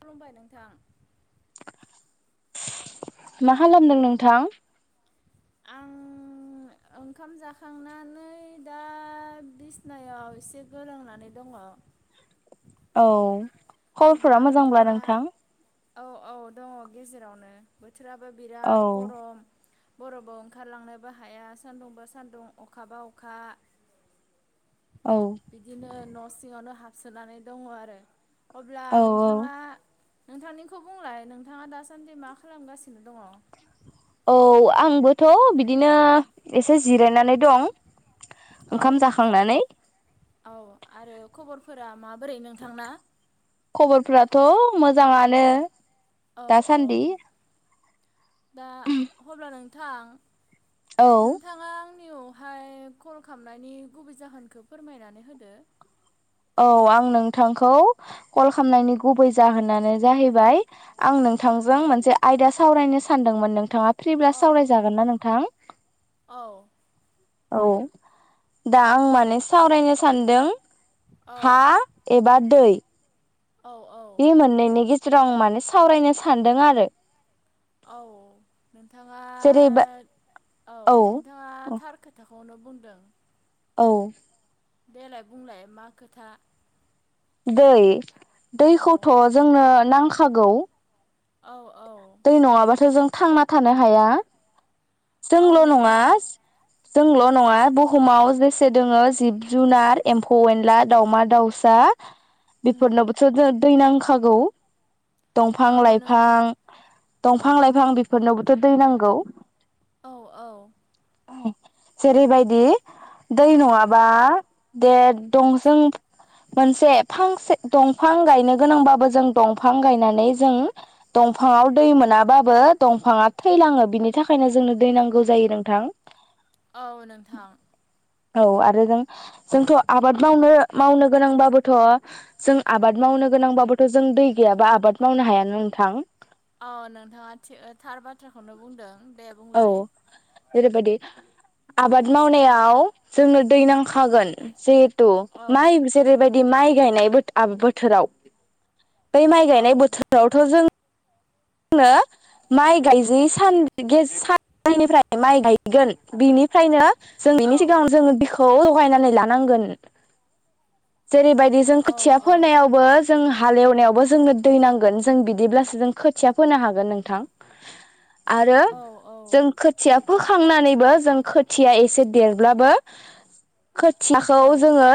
खुलुमबाय नोंथां मा खालामदों नोंथां आं ओंखाम जाखांनानै दा बिसनायाव एसे गोलोंनानै दङ औ अब्ला खबरफोरा मोजांब्ला नोंथाङा नोंथां? औ औ दङ गेजेरावनो। बोथोराबो औ बिराद गरम। बरबाव ओंखारलांनोबो हाया सान्दुं बा सान्दुं अखाबा अखा औ बिदिनो न सिङावनो हाबसोनानै दङ आरो अब्ला औ औ नोंथाङा नोंथांनिखौ बुंलाय नोंथाङा दासान्दि मा खालामगासिनो दङ औ आंबोथ' बिदिनो एसे जिरायनानै दं औ ओंखाम जाखांनानै औ आरो खबरफोरा माबोरै नोंथांना खबरफ्राथ' मोजाङानो औ औ दासान्दि दा अब्ला नोंथां औ नोंथाङा आंखौ हाय कल खालामनायनि गुबै जाहोनखौ फोरमायनानै होदो औ आं नोंथांखौ कल खालामनायनि गुबै जाहोनानो जाहैबाय आं नोंथांजों मोनसे आयदा सावरायनो सानदोंमोन नोंथाङा फ्रिब्ला औ औ सावरायजागोन ना नोंथां औ औ दा आं माने सावरायनो सानदों हा औ एबा दै औ औ बे मोननैनि गेजेराव आं माने सावरायनो सानदों आरो औ नोंथाङा जेरैबा औ औ खौनो बुंदों औ देलाय बुंलाय मा खोथा दै औ दैखौथ' जोंनो नांख गौ औ औ थांना थानो हाया औ जोंल' नङा नोंथां जोंल' नङा बुहुमाव जेसे दोङो जिब जुनार एम्फौ एनला दावमा दाउसा उम बेफोरनावबोथ' दै-दै नांखा खागौ दंफां औ नोंथां लाइफां दंफां लाइफां बेफोरनोबोथ' दै नांगौ औ औ जेरैबायदि दै नङाबा दे दं जों मोनसे फांसे दंफां गायनो गोनांबाबो जों दंफां गायनानै जों दंफाङाव दै मोनाबाबो दंफाङा थैलाङो बिनि थाखायनो जोंनो दै नांगौ जायो नोंथां औ नोंथां औ आरो जों जोंथ' आबाद मावनो मावनो गोनांबाबोथ' जों आबाद मावनो गोनांबाबोथ' जों दै गैयाबा आबाद मावनो हायाना नोंथां औ नोंथाङा थि ओ थार बाथ्राखौनो बुंदों दे औ बुंलाय जेरैबायदि आबाद मावनायाव जोंनो दै नांखागोन जे हेथु माइ जेरैबायदि बिदि माइ गायनाय बोथोराव बै माइ गायनाय बोथोरावथ' जों आङो माइ गायजै सान साननिफ्राय माइ गायगोन बिनिफ्रायनो जों बिनि सिगाङाव जोङो खौ लगायनानै लानांगोन। जेरैबायदि जों खोथिया फोननायावबो जों हालेवनायावबो जोंनो दै नांगोन जों बिदिब्लासो जों खोथ खोथिया फोनो हागोन नोंथां। आरो जों खोथिया फोखांनानैबो जों खोथिया एसे देरब्लाबो खोथियाखौ जोङो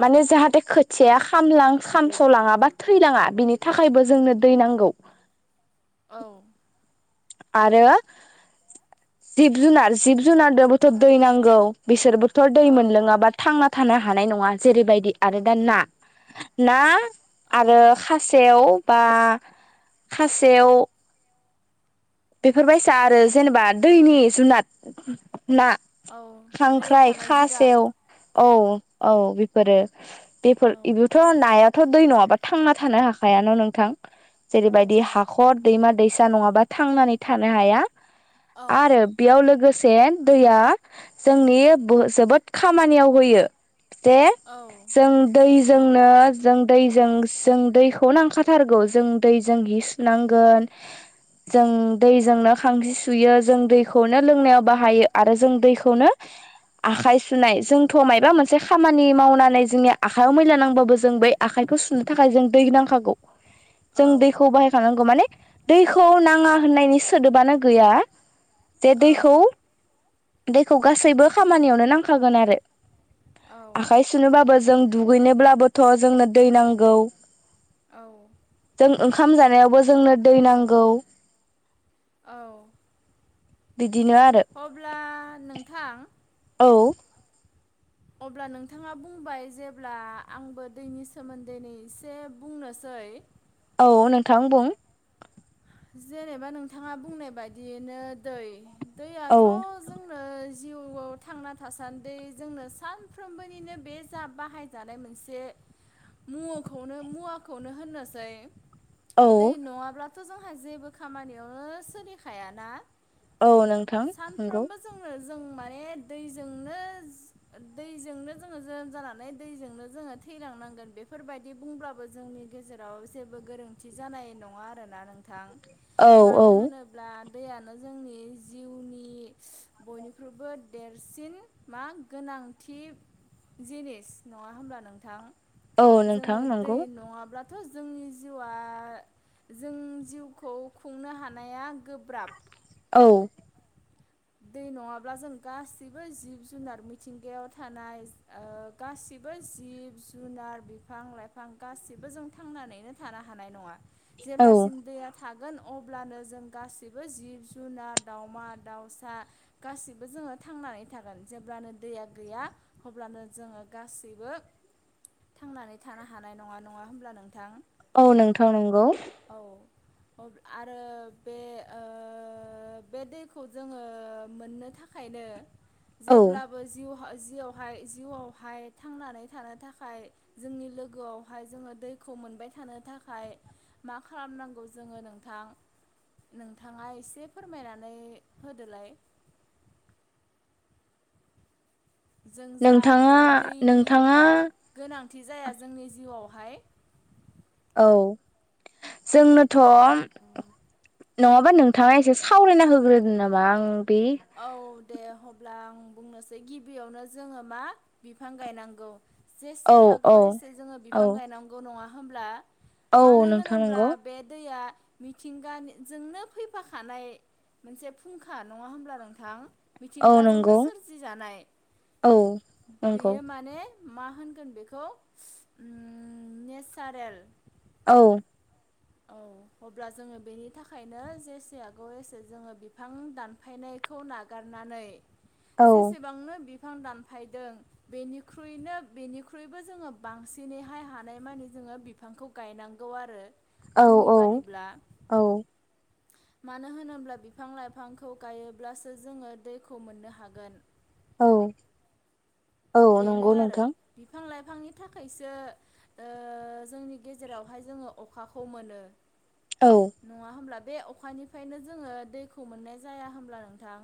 माने जाहाथे खोथियाया खामला खामस'लाङा बा थैलाङा बिनि थाखायबो जोंनो दै नांगौ। औ आरो जिब जुनार जिब जुनारनोबोथ' दै नांगौ बिसोरबोथ दै मोनलोङाबा थांना थानो हानाय नङा जेरैबायदि आरो दा ना ना आरो खासेव बा खासेव बेफोरबायसा आरो जेनेबा दैनि जुनाद ना दैयाव खांख्राइ थानाय खा जिराद सेव औ औ बेफोरो बेफोर औ इबोथ' नाया थ' दै नङाबा थांना थानो हाखायानो नोंथां औ जेरैबायदि औ हाखर दैमा दैसा नङाबा थांनानै थानो हाया। औ आरो बेयाव लोगोसे से दैया जोंनि जोबोद खामानियाव होयो जे औ जों दै जोंनो जों दैजों जों दैखौ नांखाथारगौ जों दैजों जि सुनांगोन। जों दैजोंनो खांजि सुयो जों दैखौनो लोंनायाव बाहायो आरो जों दैखौनो आखाइ सुनाय जोंथ' मायबा मोनसे खामानि मावनानै जोंनि आखाइयाव मैला नांबाबो जों बै आखाइखौ सुनो थाखाय जों दै नांखागौ। जों दैखौ औ बाहायखानांगौ माने। दैखौ नांग नाङा होननायनि सोदोबानो गैया जे दैखौ दैखौ गासैबो खामानियावनो नांखागोन आरो औ आखाय सुनोबाबो जों दुगैनोब्लाबोथ' जोंनो दै नांगौ औ जों ओंखाम जानायावबो जोंनो दै नांगौ औ बिदिनो आरो अब्ला नों थां औ अब्ला नोंथाङा बुंबाय जेब्ला आंबो दैनि सोमोन्दै नै एसे बुंनोसै औ नोंथां बुं जेनेबा नोंथाङा बुंनाय बायदियैनो दै औ दैयाथ' जोंनो जिउआव थांना थासान्दि जोंनो सानफ्रोमबोनिनो बे जा बाहायजानाय मोनसे मुवखौनो मुवाखौनो होननोसै औ दै न'ङाब्ला जों आंहा जेबो खामानियावनो सोलिखायाना औ नोंथां नंगौ सानफ्रोमबो जोंनो जों माने दैजोंनो दैजोंनो जोङो जोनोम जानानै दैजोंनो जोङो थैलांनांगोन बेफोरबायदि बुंब्लाबो जोंनि गेजेराव जेबो गोरोन्थि जानाय नङा आरोना नों थां औ मानो होनोब्ला दैयानो जोंनि जिउनि बयनिख्रुइबो देरसिन मा गोनांथि जिनिस नङा होमब्ला नोंथां औ जोङो नोंथां दै नंगौ नङाब्ला दाथ' जोंनि जिउआ जों जिउखौ खुंनो हानाया गोब्राब औ दै नङाब्ला जों गाैबो जिब जुनार मिथिंगायाव थानाय ओ गासिबो जिब जुनार बिफां लाइफां गाैबो जों थांनानैनो थानो हानाय नङा औ जेब्लासिम दैया थागोन अब्लानो जों गासिबो जिब जुनार दाउमा दाउसा दा गासैबो जोङो थांनानै थागोन जेब्लानो दैया गैया अब्लानो जोङो गासैबो थांनानै थानो हानाय नङा नङा होमब्ला नोंथां औ नोंथां नंगौ औ आरो बे ओ बे दैखौ जोङो ओ मोननो थाखायनो औ जेब्लाबो जिउ जिआवहाय जिउआवहाय थांनानै थानो थाखाय जोंनि लोगोआवहाय जोङो दैखौ मोनबाय थानो थाखाय मा खालामनांगौ जोङो नोंथां नोंथाङा एसे फोरमायनानै हो दोलाय नोंथाङा जाहाथे नोंथाङा थि जाया जोंनि जिउआवहाय औ जोंनोथ' नङाबा उम नोंथाङा एसे सावरायना हो [unintelligible] नामा आं बे औ दे हब्ला आं बुंनोसै गिबियावनो जोङो मा बिफां गायनांगौ औ जेसे हागौ औ एसे जोङो औ बिफां गायनांगौ नङा होमब्ला औ मानो नोंथां होनोब्ला नंगौ बे दैया मिथिंगानिजोंनो फैफाखानाय मोनसे फुंखा नङा होमब्ला नों थां औ मिथिंगाजोंनो नंगौ सोरजिजानाय औ नंगौ बेयो माने मा होनगोन बेखौ उम नेचारेल औ औ अब्ला जोङो बेनि थाखायनो जेसे हागौ एसे जोङो बिफां दानफायनायखौ नागारनानै औ जेसेबांनो बिफां दानफायदों बेनिख्रुइनो बेनिख्रुइबो जोङो बांसिनैहाय हानायमानि जोङो बिफांखौ गायनांगौ आरो औ आंनि औ बादिब्ला औ मानो होनोब्ला बिफां लाइफांखौ गायोब्लासो जोङो दैखौ मोन्नो हागोन औ औ बेनो नंगौ आरो नोंथां बिफां लाइफां बिफांनि थाखायसो ओ जोंनि गेजेरावहाय जोङो अखाखौ मोनो औ नङा होमब्ला बे अखानिफ्रायनो जोङो दैखौ मोननाय जाया होमब्ला नोंथां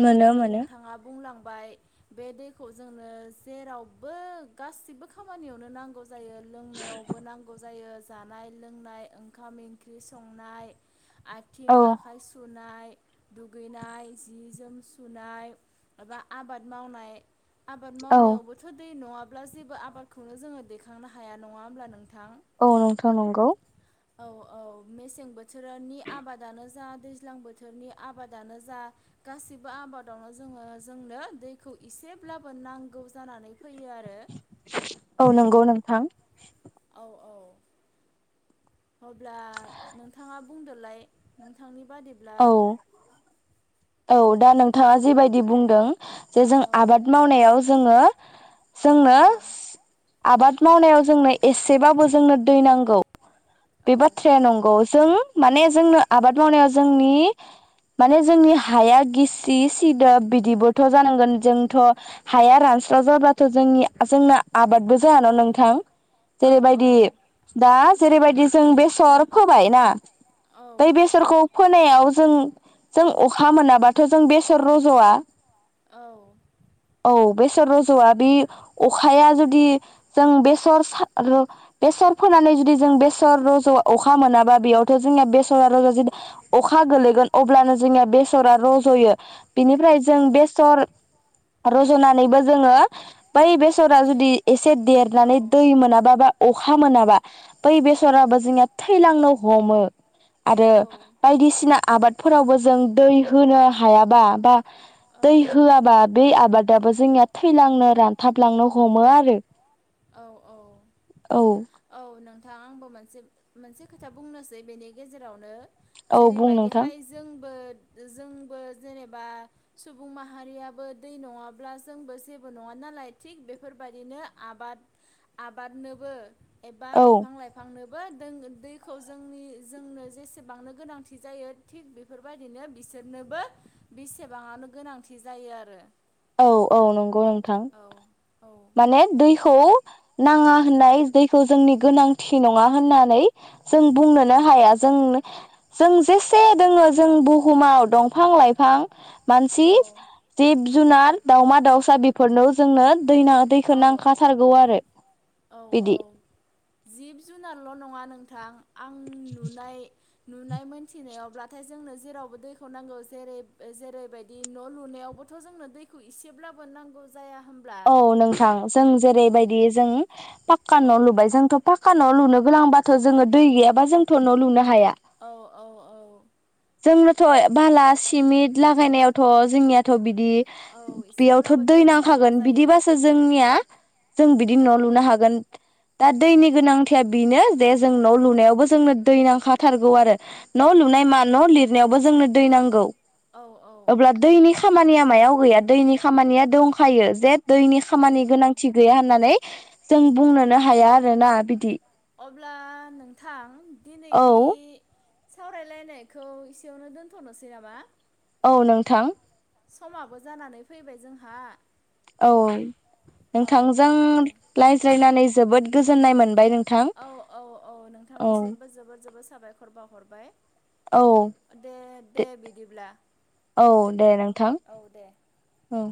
मोनो मोनो नोंथाङा बुंलां बाय बे दैखौ जोंनो जेरावबो गासिबो खामानियावनो नांगौ जायो लोंनायावबो नांगौ जायो जानाय लोंनाय ओंखाम इंख्रि संनाय आथिं औ आखाइ सुनाय दुगैनाय जि जोम सुनाय एबा आबाद मावनाय आबाद औ मावनायावबोथ' दै नङा ब्ला जेबो आबादखौनो जोङो दैखांनो हाया नङा होनब्ला नों औ नोंथां नंगौ औ औ मेसें बोथोरानि आबादानो जा दैज्लां बोथोरनि आबादानो जा गासिबो आबादावनो जोङो जोंनो दैखौ एसे ब्लाबो नांगौ जानानै फैयो आरो औ नोंगौ नोंथां औ औ अब्ला नोंथाङा बुंदोलाय नोंथांनि बादिब्ला औ औ दा नोंथाङा जिबायदि बुंदों जे जों औ आबाद मावनायाव जोङो जोंनो औ आबाद मावनायाव जोंनो एसेबाबो जोंनो दै नांगौ बे औ बाथ्राया नंगौ जों माने जोंनो आबाद मावनायाव जोंनि माने जोंनि हाया गिसि सिदोब बिदिबोथ' जानांगोन जोंथ' हाया रानस्राव जाबाथ' जोंनि जोंना आबादबो जायाना नोंथां औ जेरैबायदि दा जेरैबायदि जों बेसर फोबाय ना औ औ बै बेसरखौ फोनायाव जों जों अखा मोनाबाथ' जों बेसर रज'आ औ औ बेसर रज'आ बि अखाया जुदि जों बेसर सार बेसर फोनानै जुदि जों बे सर रज' अखा मोनाबा बेयावथ' जोंनिया बेसरा [unintelligible] अखा गोलैगोन अब्लानो जोंनिया बेसरा रज'यो बिनिफ्राय जों औ बेसर रज'नानैबो जोङो बै बेसरा दै जुदि एसे औ देरनानै दै मोनाबा बा अ अखा मोनाबा बै बेस सराबो जोंनिया थैलांनो हमो आरो औ बायदिसिना आबादफोरावबो जों दै होनो हायाबा बा औ दै होआबा बै आबादाबो जोंनिया थैलांनो रानथाबलांनो हमो आरो औ औ थां आंबो मोनसे मोनसे खोथा बुंनोसै बेनि गेजेरावनो औ बुं नोंथां जेरैबायदिहाय जोंबो जोंबो जेनेबा सुबुं माहारियाबो दै नङाब्ला जोंबो जेबो नङा नालाय थिग बेफोरबायदिनो आबाद आबादनोबो एबा औ बिफां लाइफांनो बो दैखौ जोंनि जोंनो जेसेबांनो गोनांथि जायो थिग बेफोरबायदिनो बिसोरनोबो बिसे गोबाङानो गोनांथि जायो आरो औ औ नंगौ नोंथां औ औ माने दैखौ नाङा होननाय दैखौ जोंनि गोनांथि नङा होननानै जों बुंनोनो हाया जों जों जेसे दोङो जों बुहुमाव दंफां लाइफां मानसि औ जिब जुनार दावमा दाउसा बेफोरनो जोंनो दैनो दैखौ औ नांखाथारगौ आरो औ बिदि औ जिब जुनारल' नङा नोंथां आं नुनाय नुनाय मोनथिनायावब्लाथाय जोंनो जेरावबो दैखौ नांगौ जेरै जेरैबायदि न' लुनायावबोथ' जोंनो दैखौ इसेब्लाबो नांगौ ज जाया होमब्ला? औ नोंथां जों औ जेरैबायदि जों फाक्का औ लुबाय जोंथ' फाक्का न' लुनो गोनांबाथ' जोङो दै गैयाबा जोंथ' न' लुनो हाया। औ औ औ जोंनोथ' बाला सिमेन्ट लागायनायावथ' जोंनियाथ' बिदि औ बि बेयावथ' एसेब्लाबो दै होनांगौ नांखागोन। जायो बिदिबासो जोंनिया जों बिदि औ न' लुनो हागोन दा औ दैनि गोनांथिआ बेनो जे जों न' लुनायावबो जोंनो दै नांखाथारगौ आरो न' लुनाय मा न' लिरनायावबो जोंनो दै नांगौ‌‌‍। औ औ औ अब्ला दैनि खामानिया मायाव गैया दैनि खामानिया दंखायो जे दैनि औ खामानि औ गोनांथि गैया होननानै जों बुंनोनो हाया आरोना बिदि अब्ला नोंथां औ दिनैनि सावरायलायनायखौ इसेयावनो दोनथ'नोसै नामा? औ नोंथां। समाबो जानानै फैबाय जोंहा। औ औ नोंथांजों दे रायज्लायनानै जोबोद गोजोननाय मोनबाय नों औ औ औ नोंथांनिसिमबो जोबोद जोबोद साबायखर बावहरबाय। औ दे दे बिदिब्ला औ दे नोंथां औ दे औ